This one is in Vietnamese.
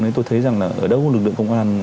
nên tôi thấy rằng là ở đâu lực lượng công an